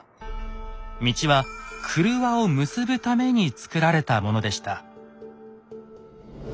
道は郭を結ぶためにつくられたものでした。